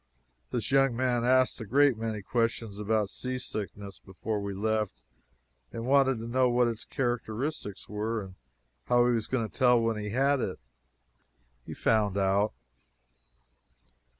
This young man asked a great many questions about seasickness before we left, and wanted to know what its characteristics were and how he was to tell when he had it. He found out.